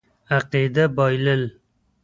عقیده بایلل.